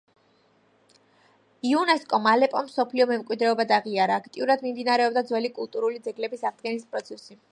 იუნესკომ ალეპო მსოფლიო მემკვიდრეობად აღიარა; აქტიურად მიმდინარეობდა ძველი კულტურული ძეგლების აღდგენის პროცესი.